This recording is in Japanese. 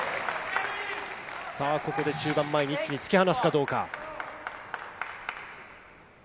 ここで中盤前に一気に突き放すかどうか。